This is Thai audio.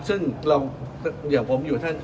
ซึ่งอย่างผมอยู่ท่าน